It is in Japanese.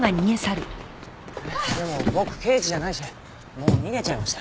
でも僕刑事じゃないしもう逃げちゃいました。